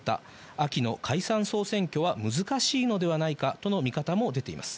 秋の解散・総選挙は難しいのではないかとの見方も出ています。